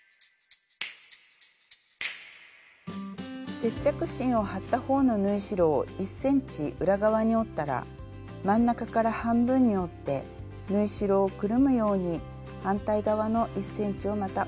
接着芯を貼ったほうの縫い代を１ｃｍ裏側に折ったら真ん中から半分に折って縫い代をくるむように反対側の１ｃｍをまた折っておきます。